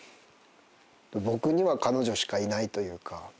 僕には彼女しかいないというか。